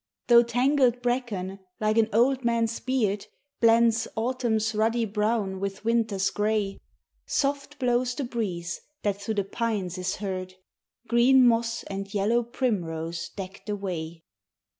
Though tangled bracken like an old man's beard Blends autumn's ruddy brown with winter's grey, Soft blows the breeze that through the pines is heard, Green moss and yellow primrose deck the way.